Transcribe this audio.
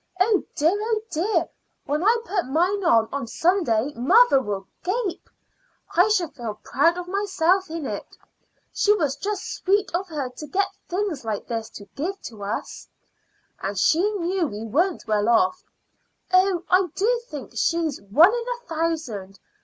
Oh dear! oh dear! when I put mine on on Sunday mother will gape. I shall feel proud of myself in it. It was just sweet of her to get things like this to give us. And she knew we weren't well off. Oh, I do think she's one in a thousand!